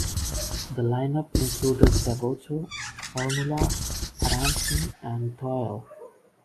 The lineup included Devoto, Formula, Adamson and Doyle.